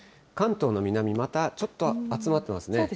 関東の南、またちょっと集まってますね。